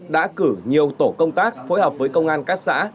đã cử nhiều tổ công tác phối hợp với công an các xã